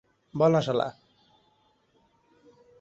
বল না, শালা!